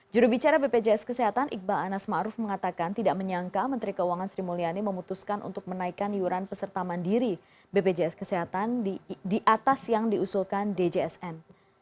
jurubicara bpjs kesehatan iqbal anas ⁇ maruf ⁇ mengatakan tidak menyangka menteri keuangan sri mulyani memutuskan untuk menaikkan iuran peserta mandiri bpjs kesehatan di atas yang diusulkan djsn